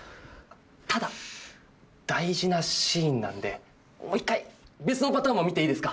ただ大事なシーンなんでもう一回別のパターンも見ていいですか？